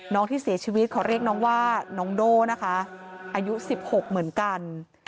ที่เสียชีวิตขอเรียกน้องว่าน้องโด่นะคะอายุ๑๖เหมือนกัน